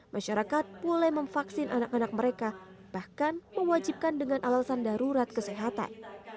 masyarakat boleh memvaksin anak anak mereka bahkan mewajibkan dengan alasan darurat kesehatan